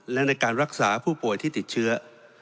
และในการรักษาผู้ป่วยที่ติดเชื้อ